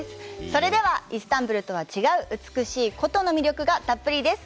それでは、イスタンブルとは違う美しい古都の魅力がたっぷりです。